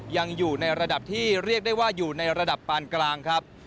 ยังอยู่ในระดับที่เรียกได้ว่าอยู่ในระดับปานกลางครับ